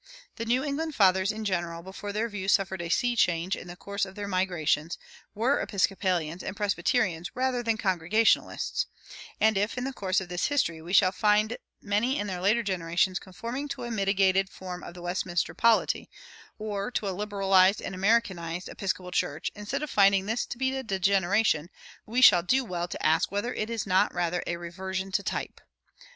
The New England fathers in general, before their views suffered a sea change in the course of their migrations, were Episcopalians and Presbyterians rather than Congregationalists; and if, in the course of this history, we shall find many in their later generations conforming to a mitigated form of the Westminster polity, or to a liberalized and Americanized Episcopal Church, instead of finding this to be a degeneration, we shall do well to ask whether it is not rather a reversion to type.